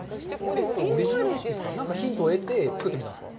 何かヒントを得て作ってみたんですか？